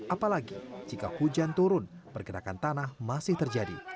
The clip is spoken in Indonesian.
apalagi jika hujan turun pergerakan tanah masih terjadi